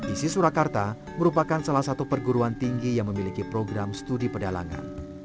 isi surakarta merupakan salah satu perguruan tinggi yang memiliki program studi pedalangan